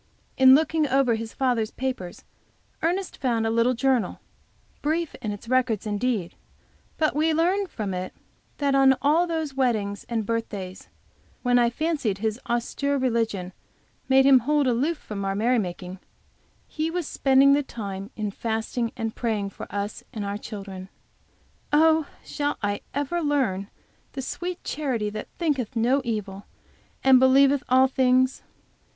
In looking over his father's papers, Ernest found a little journal, brief in its records indeed, but we learn from it that on all those wedding and birthdays, when I fancied his austere religion made him hold aloof from our merry making, he was spending the time in fasting and praying for us and for our children! Oh, shall I ever learn the sweet charity that thinketh no evil, and believeth all things?